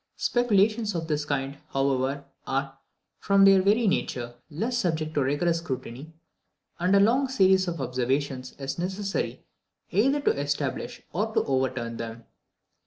Speculations of this kind, however, are, from their very nature, less subject to a rigorous scrutiny; and a long series of observations is necessary either to establish or to overturn them.